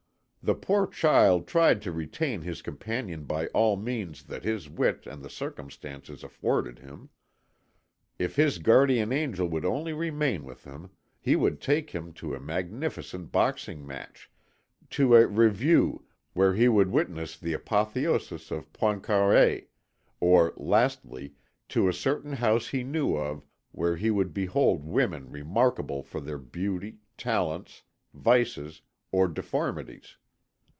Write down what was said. The poor child tried to retain his companion by all the means that his wit and the circumstances afforded him. If his guardian angel would only remain with him, he would take him to a magnificent boxing match, to a "revue" where he would witness the apotheosis of Poincaré, or, lastly, to a certain house he knew of where he would behold women remarkable for their beauty, talents, vices, or deformities.